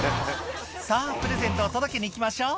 「さぁプレゼントを届けに行きましょう」